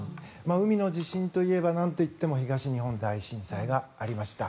海の地震といえばなんといっても東日本大震災がありました。